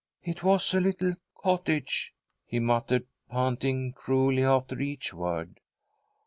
"It was a little cottage," he muttered, panting cruelly after each word.